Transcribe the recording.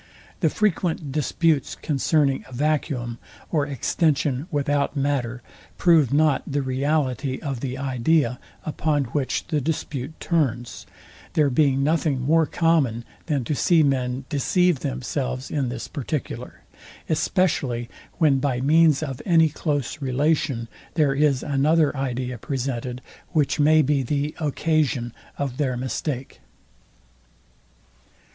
The frequent disputes concerning a vacuum, or extension without matter prove not the reality of the idea, upon which the dispute turns; there being nothing more common, than to see men deceive themselves in this particular; especially when by means of any close relation, there is another idea presented, which may be the occasion of their mistake.